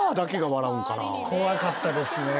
怖かったですね。